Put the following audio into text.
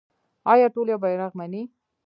آیا ټول یو بیرغ مني؟